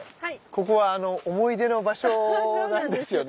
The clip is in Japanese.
ここは思い出の場所なんですよね。